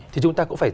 thì chúng ta cũng phải